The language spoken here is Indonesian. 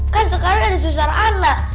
kan sekarang ada susah anak